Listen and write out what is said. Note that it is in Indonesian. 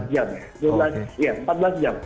iya empat belas jam